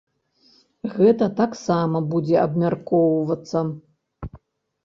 Гэта таксама будзе абмяркоўвацца.